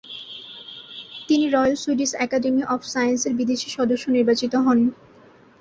তিনি royal Swedish academy of সায়েন্স-এর বিদেশী সদস্য নির্বাচিত হন।